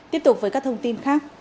tiếp tục với các thông tin khác